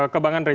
ke bang andri